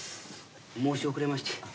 申し遅れまして。